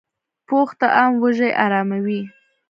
پوخ طعام وږې اراموي